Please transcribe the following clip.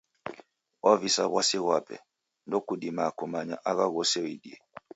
Wavisa w'asi ghwape, ndokudima kumanya agha ghose uidie.